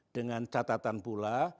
dengan catatan pula